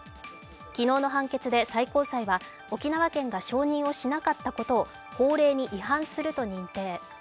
昨日の判決で最高裁は沖縄県が承認をしなかったことを法令に違反すると認定。